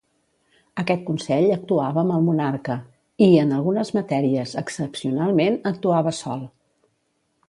Aquest consell actuava amb el monarca i, en algunes matèries, excepcionalment, actuava sol.